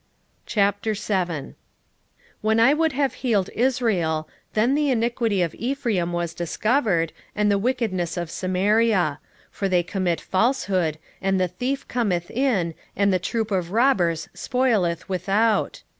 7:1 When I would have healed Israel, then the iniquity of Ephraim was discovered, and the wickedness of Samaria: for they commit falsehood; and the thief cometh in, and the troop of robbers spoileth without.